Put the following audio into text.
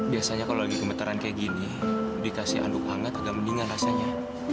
biasanya kalau lagi gemetaran kayak gini dikasih aduk hangat agak mendingan rasanya